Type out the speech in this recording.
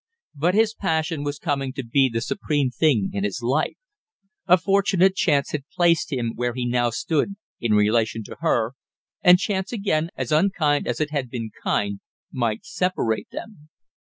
But his passion was coming to be the supreme thing in his life; a fortunate chance had placed him where he now stood in relation to her, and chance again, as unkind as it had been kind, might separate them.